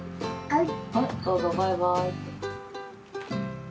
はい。